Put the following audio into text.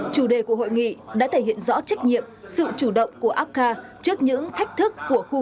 chủ đề của hội nghị đã thể hiện rõ trách nhiệm sự chủ động của apca trước những thách thức